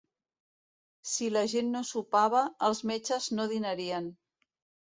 Si la gent no sopava, els metges no dinarien.